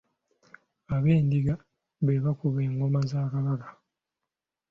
Abendiga be bakuba engoma za Kabaka.